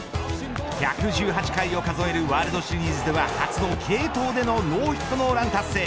１１８回を数えるワールドシリーズでは初の継投でのノーヒットノーランを達成。